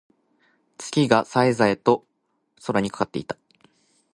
月が冴え冴えと空にかかっていた。